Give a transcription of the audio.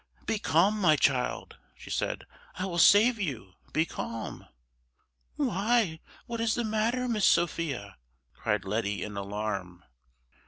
"Be calm, my child!" she said, "I will save you! Be calm!" "Why, what is the matter, Miss Sophia?" cried Letty in alarm.